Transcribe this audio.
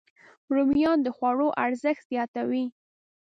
رومیان د خوړو ارزښت زیاتوي